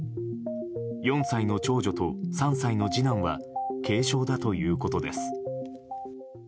４歳の長女と３歳の次男は軽傷だということです。